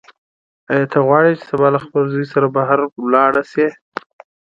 ایا ته غواړې چې سبا له خپل زوی سره بهر لاړه شې؟